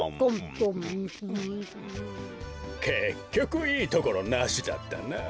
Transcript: こころのこえけっきょくいいところなしだったな。